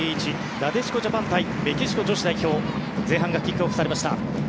なでしこジャパン対メキシコ女子代表前半がキックオフされました。